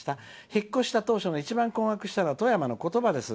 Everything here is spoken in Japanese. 引っ越した当初一番困惑したのが富山の言葉です。